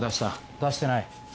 出してない？